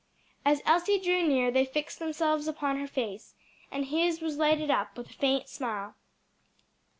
As Elsie drew near they fixed themselves upon her face, and his was lighted up with a faint smile.